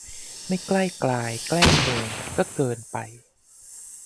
ไม่ใกล้กราย แกล้งเมิน ก็เกินไป